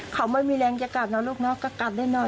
เขามีแรงจักรละลูก